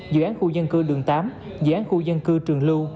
dự án khu dân cư đường tám dự án khu dân cư trường lưu